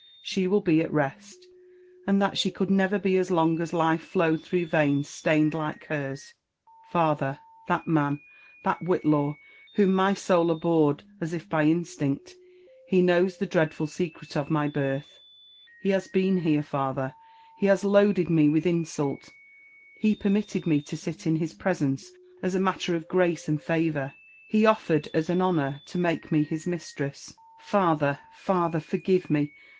— she will be at rest, And that she could never be as long as life flowed through veins staiued like herEk. Father ! that man — that Whitlaw, whom my soul abhorred as if by instinct — ^he knows the dreadful secret of my birth. — He has been here, father ; he has loaded me with insult — he permitted me to sit in his presence as a matter of grace and favour— he oflered, as an honour, to make me his mistress. Father ! father !— forgive me